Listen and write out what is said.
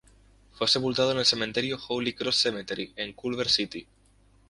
Fue sepultado en el cementerio "Holy Cross Cemetery" en Culver City.